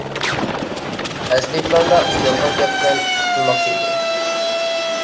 ئەسلى پىلاندا، ئۇ يالغان گەپ بىلەن قۇتۇلماقچى ئىدى.